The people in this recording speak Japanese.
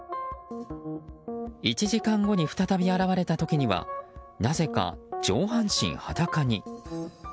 １時間後に再び現れた時にはなぜか上半身裸に。